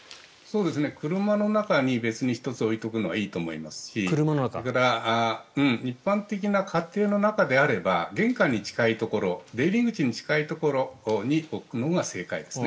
車の中に別に１つ置いておくのはいいと思いますしそれから一般的な家庭の中であれば玄関に近いところ出入り口に近いところに置くのが正解ですね。